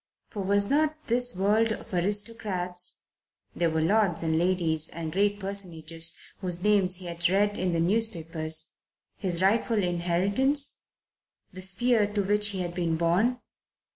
For was not this world of aristocrats there were lords and ladies and great personages whose names he had read in the newspapers his rightful inheritance, the sphere to which he had been born?